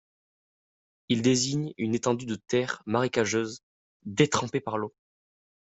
Il désigne une étendue de terre marécageuse détrempée par l'eau.